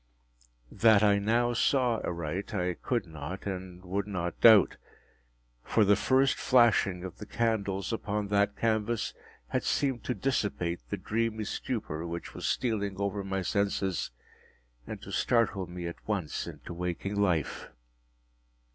That I now saw aright I could not and would not doubt; for the first flashing of the candles upon that canvas had seemed to dissipate the dreamy stupor which was stealing over my senses, and to startle me at once into waking life.